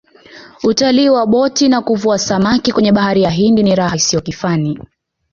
utalii wa boti na kuvua samaki kwenye bahari ya hindi ni raha isiyo kifani